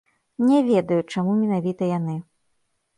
Не ведаю, чаму менавіта яны.